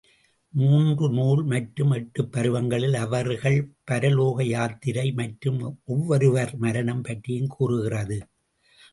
மூல நூல் மற்றும் எட்டுப்பருவங்களில் அவர்கள் பரலோக யாத்திரை மற்றும் ஒவ்வொருவர் மரணம் பற்றியும் கூறுகிறது.